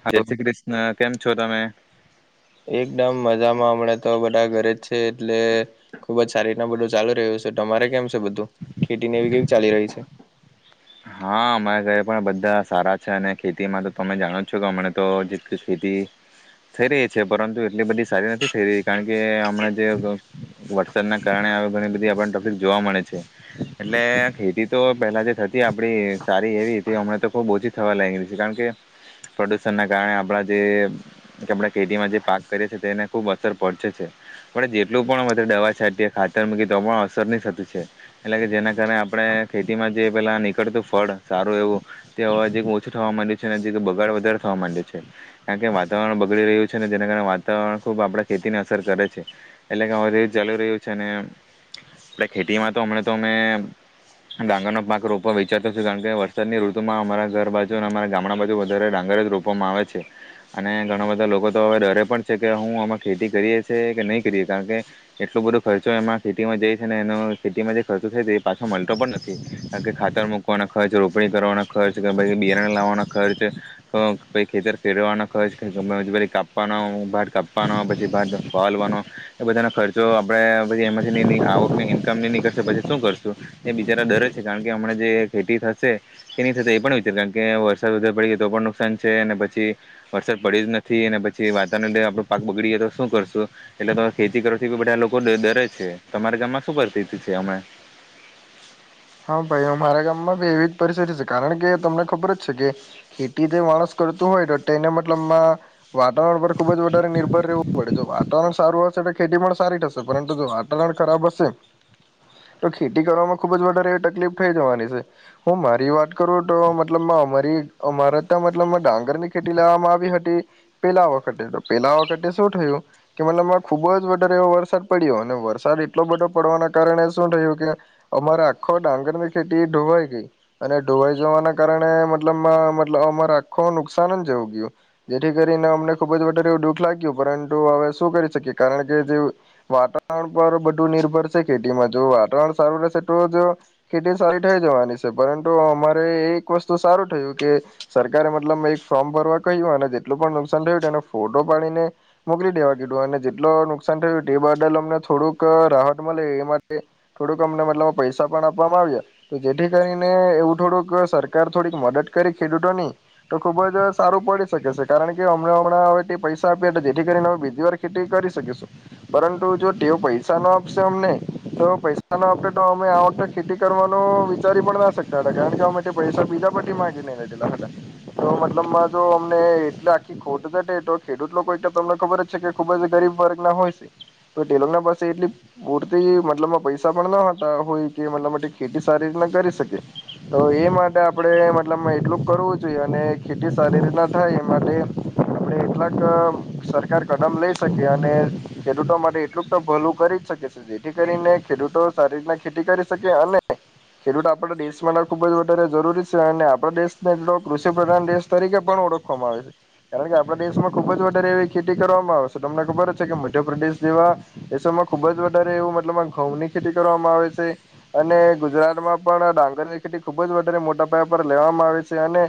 હા જય શ્રી કૃષ્ણ કેમ છો તમે હમણા તો બધા ઘરે છે એટલે ખુબ જ સારી રીતના બધું ચાલુ રહ્યું છે તમારે કેમ છે બધું ખેતી ને એવી કેવી ચાલી રહી છે હા અમારા ઘરે પણ બધા સારા છે અને ખેતીમાં તો તમે જાણો છો કે હમણા તો જે ખેતી થઈ રહી છે પરંતુ એટલી બધી સારી નથી થઈ રહી કારણ કે હમણા જે વરસાદના કારણે ઘણી બધી આપણ ટોપિક જોવા મળે છે એટલે ખેતી તો પહેલા જે થતી આપડી સારી એવી હતી હમણાં તો ખૂબ ઓછી થવા લાગી છે કારણ કે પ્રદૂષણના કારણે આપણા જે આપણા ખેતીમાં જે પાક કરીએ છીએ તેને ખૂબ અસર પડે છે પણ જેટલું પણ વધારે દવા છાતી ખાતર મૂકી તો પણ અસર નહી થતું છે એટલે કે જેના કારણે આપણે ખેતીમાં જે પેલા નીકળતું ફળ સારું એવું તે હવા જે ઓછું થવા માંડ્યું છે ને જે બગાડ વધારે થવા માંડ્યું છે કારણ કે વાતાવરણ બગડી રહ્યું છેને જેના કારણે વાતાવરણ ખુબ આપડા ખેતીને અસર કરે છે એટલે કે હવે જે ચાલીુ રહ્યું છે એ ખેતીમાં તો હમ તો અમે ડાંગરનો પાક રોપવા વિચારતો છું કારણ કે વરસાદની ઋતુમાં અમારા ઘર બાજુ અને અમારા ગામડા બાજુ વધારે ડાંગર જ રોપવામાં આવે છે અને ઘણા બધા લોકો તો હવે ડરે પણ છે કે હું આમાં ખેતી કરીએ છે કે નહીં કરીએ કારણ કે એટલોું બધો ખર્ચો એમાં ખેતીમાં જાય છે ને એનો ખેતીમાં જે ખર્ચો થાય એ પાછો મળતો પણ નથી કારણકે ખાતર મૂકવાનો ખર્ચ રોપણી કરવાના ખર્ચ પછ બિયારણા લાવવાના ખર્ચ પઈ ખેતર ફેરવાનો ખર્ચછ પછી કાપવાનો ભાત કાપવાનો પછી ભાત વાલવાનો એ બધાના ખર્ચો આપણેે પછી એમાંથી ન આવકને ઈન્કમ નહી નનીં કરશે પછી શું કરશું એ બિચારા દરેક કારણ કે હમણાં જે ખેતી થશે કે નહી થશે એ પણ વિચાર કારણ કે વરસાદ વધારે પડી ગ તો પણ નુકસાન છે અને પછી વરસાદ પડી જ નથી અને પછી વાતાવરણ આપડો પાક બગડી તો શું કરશું એટલે ખેતી કરોથી બધા લોકો ડરે છે તમારા ગામમાં શું પરિસ્થિતિ છે હમણા હા ભાઈ અમારા ગામમાં ભી એવી પરિસ્થિતિ છે કારણ કે તમને ખબર જ છે કે ખેતી જે માણસ કરતું હોય તો તેને મતલબમાં વાતાવરણ પર ખુબ જ વધારે નિર્ભર રહેવું પડે જો વાતાવરણ સારું હશે તો કેથી પણ સારી થશે પરંતુ જો વાતાવરણ ખરાબ હસે તો ખેતી કરવામાં ખુબ જ વધારે તકલીફ થઈ જવાની છે હું મારી વાત કરું તો મતલબ અમારી અમારે ત મતલબ ડાંગર ની ખેતી લેવામાં આવી હતી પેલા વખતે પેલા વખતે શું થયું કે મતલબ ખુબ જ વારે એવો વરસાદ પડ્યો અને વરસાદ એટલો બટો પડવાના કારણે શું થયું કે અમારા આખો ડાંગરની ખેતી ઢોવાઈ ગઈ અને ઢોવાઈ જવાના કારણે મતલબ મતલ અમારે આખો નુકસાન જ જવું ગયું જેથી કરીને અમને ખુબ જ વધારેવ દુઃખ લાગ્યું પરંતુ હવે શું કરી શકીએ કારણ કે જે વાતાવરણ પર બધું નિર્ભર છે ખેતીમાં જો વાતાવરણ સારું રહેશે તો જ ખેતી સારી થઈ જવાની છે, પરંતુ અમારે એ એક વસ્તુ સારું થયું કે સરકારે મતલબ એક ફોર્મ ભરવા કહ્યું અને જેટલું પણ નુકસાન થયું એને ફોટો પાડીને મોકલી દેવા કીધું અને જેટલ નુકસાન થયું તે બદલ અમને થોડુંક રાહત મળે એ માટે થોડુંક અમને મતલબ પૈસા, ૈ આપવામાં આવ્યા તો જેથી કરીને એવું થોડુંક સરકાર થોડીક મદદ કરી ખેડૂતોની તો ખુબ જ સારું પડી શકે છે, કારણ કે હમણા હમણાં હવે તે પૈસા આપી જેથી કરીને અમે બીજી વાર ખેતી કરી શકીશું, પરંતુ જો તેઓ પૈસા ન આપશે અમને તો પૈસા ન આપે તો અમે ખેતી કરવાનો વિચારી પણ ના શકતા હતા કારણ કે, આમે પૈસા બીજા પી માંગી નહી લેધેલા હતા તો મતલબમાં જો અમને એટલે આખી ખોટ તટે તો ખેડૂત લોકો તમને ખબર જ છે કે ખુબ જ ગરીબ વર્ગ ના હોય છે, તો ટેલો ના પાસે એટલી પૂરતી મતલબમાં પૈસા પણ ના હતા હો કે મતલબ ખેતી સારી રીતના કરી શકે તો એ માટે આપણે મતલબ એટલુંક કરવું જોઈએ, અને ખેતી સારી રીતના થાય એ માટે આપણે એટલાક સરકાર કદમ લઈ શકીએ, અને ખેડૂતો માટે એટલુંક તો ભલું કરી જ શકી જેથી કરીને ખેડૂતો સારી રીતના ખેતી કરી અને ખેડૂત આપડા દેશમાં ખુબ જ વધારે જરૂરી છે, અને આપણા દેશને એટલો કૃષિ પ્રધાન દેશ તરીકે પણ ઓળખવામાં આવે છે, કારણ કે આપણા દેશમાં ખુબ જ વધારે એવી ખેતી કરવામાં આવે છે, તમને ખબર જ છે કે મધ્યપ્રદેશ જેવા દેશોમાં ખુબ જ વધારે એવું મતલબ ઘઉં ની ખેતી કરવામાં આવે છે. અને ગુજરાતમાં પણ ડાંગરની ખેતી ખૂબ જ વધારે મોટા પાય પર લેવામાં આવે છે, અને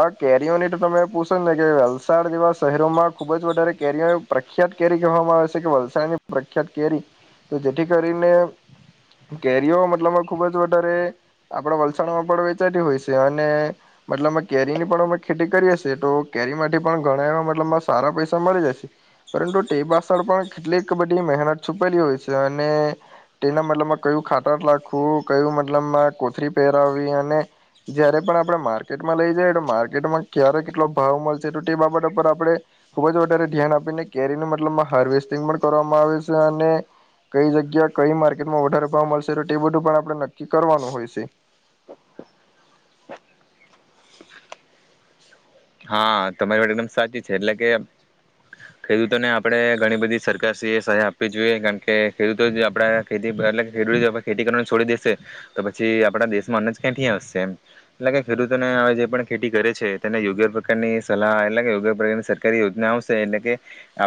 આ કેરીઓની તો તમે પૂછો ને કે વલસાડ જેવા શહેરોમાં ખુબ જ વધારે કેરીઓ પ્રખ્યાત કેરી કહેવામાં આવે છે, કે વલસાડની પ્રખ્યાત કેરી જેથી કરીને કેરીઓ મતલબમાં ખૂબ જ વધારે આપણા વલસાડમાં પણ વેચાતી હોય છે, અને મતલબમાં કેરીની પણ અમે ખેતી કરીએ છીએ તો કેરીમાંથી પણ ઘણા એવા મતલબમાં સારા પૈસા મળી જશે, પરંતુ તે બાસણ પણ કેટલીક બધી મહેનત છુપેલી હોય છે, અને તેના મતલબમાં કયું ખાટર લખવું કયું મતલબમાં કોથરી પહેરાવી અને જયારે પણ આપણેે માર્કેટમાં લઈ જઈએ, તો માર્કેટમાં ક્યારે કેટલો ભાવ મળશે તો તે બાબત પર આપણેે ખુબ જ વધારે ધ્યાન આપીને કેરીનો મતલબમાં હાર્વેસ્ટિંગ પણ કરવામાં આવે છે, અને કઈ જગ્યા કઈ માર્કેટમાં વધારે મળશે તો તે બધું પણ આપડણે નક્કી કરવાનું હોય છે, હા તમારી માટે એકદમ સાચી છે, એટલે કે ખેડૂતોને આપણે ઘણી બધી સરકાર સહાય આપવી જોઈએ કારણ કે, ખેડૂતો આપડા ખેતી એટ ખેડૂતો ખેતી કરવાને છોડી દેશે તો પછી આપડા દેશમાં અનજ ક્યાં ત્યા હશે એટલે કે ખેડૂતોને હવે જે પણ ખેતી કરે છે, તેને યોગ્ય પ્રકારની સલાહ એટલે કેગ પ્રકારની સરકારી યોજના આવશે એટલે કે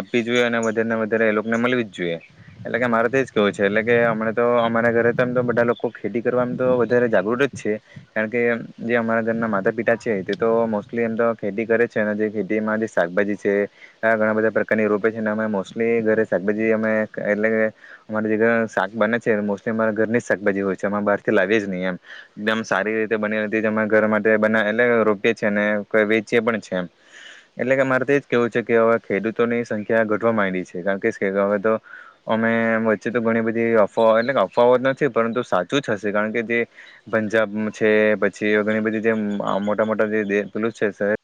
આપવી જોઈએ અને વધારે ને વધારે એ લોકોને મળવી જ જોઈએ એટલે કે મામારે તો જ કેવું છે, એટલે કે હમણા તો અમારા ઘરે તોમ તો બધા લોકો ખેતી કરવા તો વધારે જાગૃત જ છે, કારણ કે, જે અમારા ઘરના માતા પિતા છે તે તો મોસ્ટલી એમ તો ખેતી કરે છે, અને જે ખેતીમાં જે શાકભાજી છે, આ ઘણા બધા પ્રકારની રોપે છે, અમે મોસ્ટલી ઘરે શાકભાજી અમે એટલે કે અમારે જે ઘર શાક બને છે મોસ્ટલી અમારા ઘરની જાકભાજી હોય છે, અમે બહાર થી લાવીએ જ નહીં એમ એકદમ સારી રીતે બનેલી અ ઘર માટે બના એટલે રોપએીએ ને કો વજ જે પણ છે, એમ એટલે કે મારે તોજ કેવું છે કે હવે ખેડૂતોની સંખ્યા ઘટવા માંલી છે કારણ કે, હવે તો અમે વચ્ચે તો ઘણી બધી અફવા એટલે કે અફવાઓ નથી, પરંતુ સાચું જ હશે કારણ કે જે પંજાબ છે, પછી ઘણી બધી જે મોટા મોટા જેલુસ છે,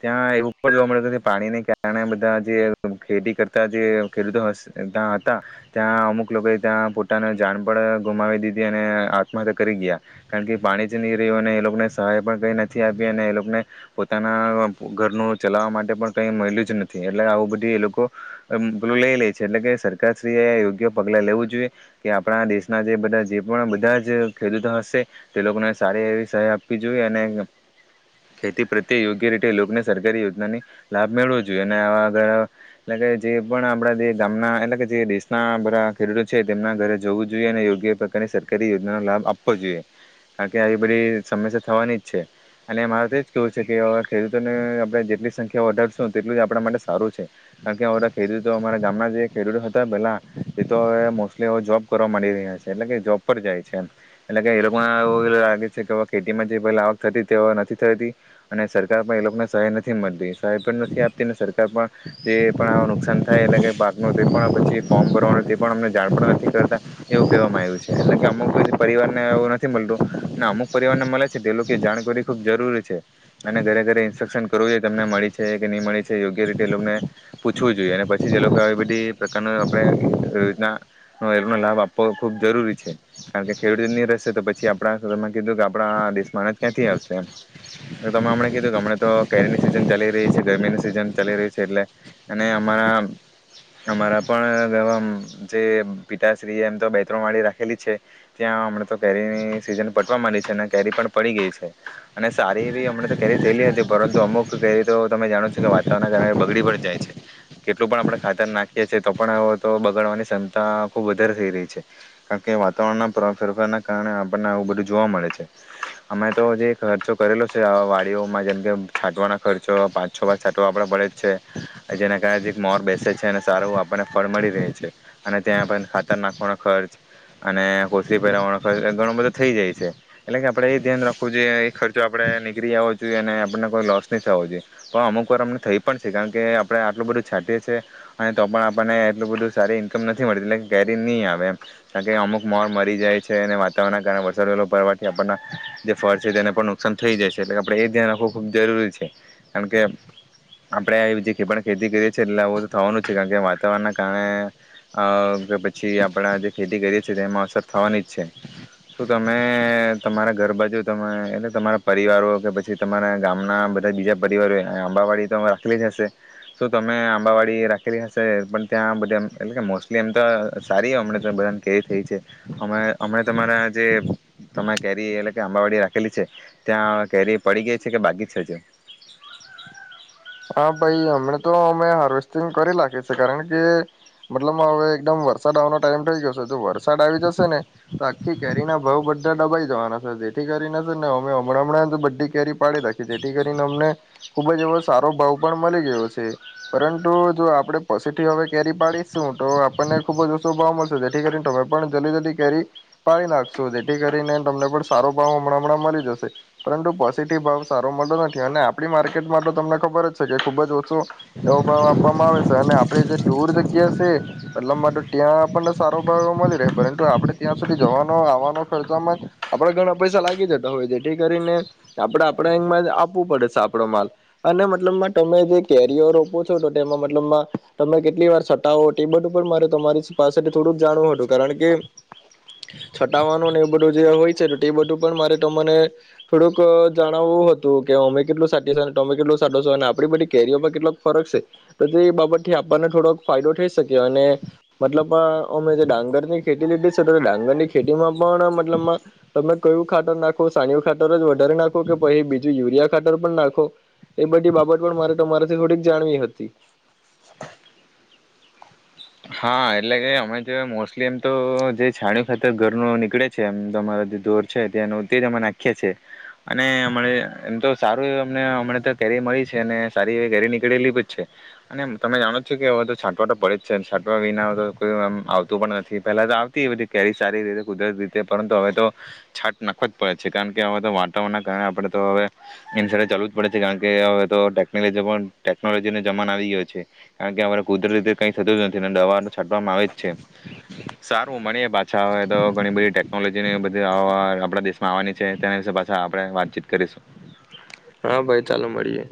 ત્યાં એવું પણ જોવા મળ્યું હત કે પાણીને કારણે બધા જે ખેતી કરતા જે ખેડૂતો ત્યા હતા ત્યાં અમુક લોકો ત્યાં પોતાની જણ પણ ગુમાવી દીધી અને આત્મહત્યા કરી ગયા કારણ કે પાણી જ નહી રહ્યું અને એ લોકોને સહાય પણ કઈ નથી આપી અને એ લોકોને પોતાના ઘરનું ચલાવવા માટે પણ કઈ મળલ્યું જ નથી એટલે આવું બધી એ લોકો પું લઈ લે છે, એટલે કે સરકારશ્રી એ યોગ્ય પગલા લેવું જોઈએ કે આપણા દેશના જે બધા જે પણ બધા જ ખેડૂતો હશે તે લોકોને સારી એવી સહાય આપવી જોઈએ અને ખેતી પ્રત તે યોગ્ય રીતે લોકોને સરકારી યોજનાની લાભ મેળવો જોઈએ, અને આવા એટ કે જે પણ આપણા જે ગામના એટલે જે દેશના બધા ખેડૂતો છે, તેમના ઘરે જોવું જોઈએ અને યોગ્ય પ્રકારની સરકારી યોજનાનો લાભ આપવો જોઈએ કારણ કે, આવી બધી સમસ્યા થવાની જ છે, અને મારે તોજ કેવું કે ખેડૂતોને આપણે જેટલી સંખ્યા વધારશું તેટલું જ આપણા માટે સારું છે, કારણ કે બધા ખેડૂતો અરા ગામના જે ખેડૂતો હતા પેલા એ તોવે મોસ્ટલીવે જોબ કરવા માંડી રહ્યા છે, એટલે કે જોબ પર જાય છે એટલે કે એ લોકોને એવ લાગે છે, કે ખેતીમાં જે પ આવક થતી તે નથી થતી. અને સરકાર પણ એ લોકોને સહાય નથી મળતી સહાય પણ નથી આપતી ને સરકાર પણ જે પણ નુકસાન થાય એટલે કે પાકનું તે પણ પછી ફોર્મ ભરવાનું તે પણ અમને જાણ પણ નથી કરતા એવું કહેવામાં આવ્યું છે, એટલે કે અમુક પરિવારને એવું નથી મળતું ને અમુક પરિવારને મળે છે, તે લોકો જાણ કરવી ખુબ જરૂરી છે અને ઘરે ઘરે ઇન્સ્ટ્રક્શન કરવું જોઈએ તમને મળી છે કે નહી મળી છે, યોગ્ય રીતે એ લોકોને પૂછવું જોઈએ, અને પછી એ લોકો આવી બધી પ્રકારનો આપણેના એ લાભ આપવો ખૂબ જરૂરી છે, કારણ કે ખેડૂતોની રશે તો પછી આપણા કીધું કે આપણા દેશમાં જ ક્યાંથી આવશે એમ તમે હમણાં કીધું હમણાંતો કેરીની સીઝન ચાલી રહી છે, એટલે અને અમારા અમારા પણ જે પિતાશ્રીએ એમ તો બેત્ર્રણ વાળી રાખેલી છે, ત્યાં હમણા તો કેરીની સીઝન પટવા માંડી છે, અને કેરી પણ પડી ગઈ છે, અને સારી મ કેરી થયેલી હતી પરંતુ અમુક કેરી તો તમે જાણો છો કે વાતાવરણના કારણે બગડી પણ જાય છે, કેટલું પણ આપણે ખાતર નાખીએી તો પણ તો બગાડવાની ક્ષમતા ખુબ વધારે થઈ રહી છે, કારણ કે, વાતાવરણના ફેરફારના કારણે આપણને આવું બધું જોવા મળે છે, અમે તો જે ખર્ચો કરેલો વાડીઓમાં જેમ કે છાંટવાનો ખર્ચો પાંચ છ વાાર છાંટવા આપડે પડે જ છે, જેના કારણે જે મોર બેસે છે, અનેને સારું આપણને ફળ મળી રહે છે, અને ત્યાં આપને ખાતર નાખવાનો ખર્ચ અને કોસરી પહેરવવાનો ખર્ચ ઘણો બધો થઈ જાય છે, એટલે કે આપડે એ ધ્યાન રાખવું જો એ ખર્ચો આપણે નીકળી આવવો જોઈએ અને આપણને કોઈ લોસ નહીં થવો જોઈએ પણ અમુક વાર અમને થઈ પણ છે કારણ કે, આપડણે આટલું બધું છાંટીએીએ અને તો પણ આપણને એટલું બધું સારી ઈન્કમ નથી મળતી એટલે કેરી નહીં આવે એમ કારણ કે અમુક મોર મરી જાય છે, અને વાતાવરણના કારણે વરસાદ વલો પડવાથી આપણને જે ફળ છે તેને પણ નુકસાન થઈ જાય છે, એટલે આપણે એ ધ્યાન રાખવું ખૂબ જરૂરી છે, કારણ કે આપણે આવી જે પણ ખેતી કરીએ છીએ એટલે આવું તો થવાનું જ છે, કારણ કે વાતાવરણનાં કારણે કે પછી આપણા જે ખેતી કરીએ છીએ તે એમાં અસર થવાની જ છે, શું તમે તમારા ઘર બાજુ તમે એટલે તમારા પરિવારો કે પછી તમારા ગામના બધા બીજા પરિવારો આંબાવાડી તો રાખેલી જ હશે શ તમે આંબાવાડી રાખેલી હશે પણ ત્યાં બધ એટલે કે મોસ્ટલી એમ તો સારી અમ બધાને કેરી થઈ છે, અ હમણા તમારા જે તમે કેરી એટલે કે આંબાવાડી રાખેલી છે, ત્યાં કેરી પડી ગઈ છે, કે બાગી છેજ હા, ભાઈ હમણા તો અમે હાર્વેસ્ટિંગ કરી નાખી છે, કારણ કે મતલબ હવે એકદમ વરસાદ આવવાનો ટાઈમ થઈ ગયો છે, જો વરસાદ આવી જશે ને તો આખી કેરી ના ભાવ બધા ડબાઈ જવાના છે, જેથી કરીને છે ને અમે હમણાં હમણાં બધી કેરી પાડી રાખી જેથી કરીને અમને ખુબ જ સારો ભાવ પણ મળી ગયો છે, પરંતુ જો આપણે પછીથી હવે કેરી પાડીશું તો આપણને ખૂબ જ ઓછો ભાવ મળશે જેથી કરીને તમે પણ જલ્દી જલ્દી કેરી પાડી નાખશો જેથી કરીને તમને પણ સારો ભાવ હમણાં હમણાં મળી જશે, પરંતુ પછથી ભાવ સારો મળતો નથી અને આપણી માર્કેટમાં તો તમને ખબર જ છે કે ખુબ જ ઓછો એવો ભાવ આપવામાં આવે છે, અને આપણે જે દૂર જગ્યા છે મતલબમાં તો ત્યાં આપણને સારો ભાવ મળી રહે પરંતુ આપણે ત્યાં સુધી જવાનો આવવાનો ખર્ચામાં આપણે ઘણા પૈસા લાગી જતા હોય જેથી કરીને આપણે આપણા માં જ આપવું પડે છે, આપણો માલ અને મતલબમાં તમે જે કેરીઓર રોપો છો તો તેમાં મતલબ તમે કેટલી વાર છટાવો ટીબટ ઉપર મારે તમારી પાસે થોડુંક જાણવું હતું કારણ કે છટાવવાનું એવું બધું જે હોય છે તો ટીબડ ઉપ મારે તને થોડુંક જણાવવું હતું કે અમે કેટલું સા તમે કેટલો સદો છો અને આપડી બધી કેરીઓ પર કેટલોક ફરક છે, તો તે બાબત થી આપણને થોડો ફાયદો થઈ શકે અને મતલબ અમે જે ડાંગર ની ખેતી લીધી છે તો ડાંગર ની ખેતીમાં પણ મતલબ તમે કયું ખાતર નાખો સાનય ખાતર જ વધારે નાખો કે પછી બીજું યુરિયા ખાતર પણ નાખો. એ બધી બાબત પણ મારે તમારેથી થોડીક જાણવી હતી. હા એટલે કે અમે જે મોસ્ટલી એમ તો જે છાણી ખાત ઘરનું નીકળે છે, એમ તો અમારા જે દોર છેનું તે જ અમે નાખીએ છીએ, અને હમ એમ તો સારું એ અ હમ તો કેરી મળી છે, અને સારી એવી કેરી નીકળેલી જ છે અને તમે જાણો છો કે હવે તો છાંટવાટ પડે જ છે, છાં વિના આવતું પણ નથી પહેલા તો આવતી બધી કેરી સારી રીતે કુદરત રીતે પરંતુ હવે તો છાટ નાખવો જ પડે છે, કારણ કે હવે તો વાતાવરણ ના કારણે આપણે તો હવે ચાલવું જ પડે છે, કારણ કે હવે તોટેકજી ટેકનોલોજી નો જમાન આવી ગયો છે, કારણ કે હ કુદર રીતે કઈ થતું જ નથી. જેને દવા છાંટવામાં આવે જ છે, સારું મળીએ પાછા હવે તો ઘણી બધી ટેકનોલોજીની બધી આપણા દેશમાં આવવાની છે તેના વિશે પાછા આપણે વાતચીત કરીશું. હા, ભાઈ ચાલો મળીએ.